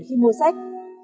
khi mua sách